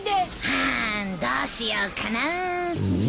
はーんどうしようかな。